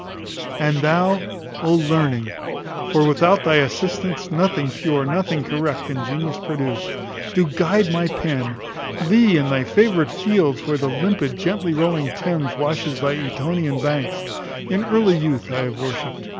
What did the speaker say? And thou, O Learning! (for without thy assistance nothing pure, nothing correct, can genius produce) do thou guide my pen. Thee in thy favourite fields, where the limpid, gently rolling Thames washes thy Etonian banks, in early youth I have worshipped.